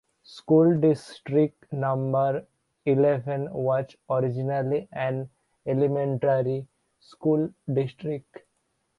School District Number Eleven was originally an elementary school district.